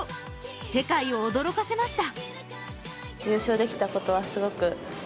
世界を驚かせました。